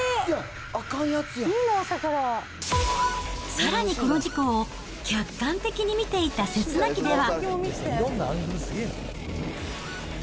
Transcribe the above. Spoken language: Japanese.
さらにこの事故を、客観的に見ていたセスナ機では。